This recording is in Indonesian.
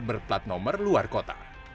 berplat nomor luar kota